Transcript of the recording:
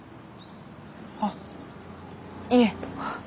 あっいえ。